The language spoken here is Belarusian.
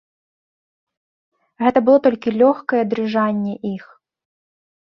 Гэта было толькі лёгкае дрыжанне іх.